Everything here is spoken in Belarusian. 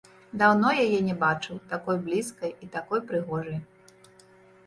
Даўно яе не бачыў такой блізкай і такой прыгожай.